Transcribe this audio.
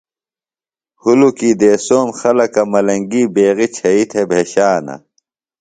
ہُلُکی دیسوم خلکہ ملنگی بیغی چھیئی تھےۡ بھشانہ۔